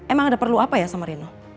emang ada perlu apa ya sama rino